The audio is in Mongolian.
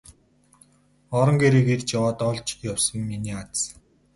Орон гэрийг эрж яваад олж явсан миний аз.